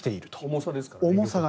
重さですからね。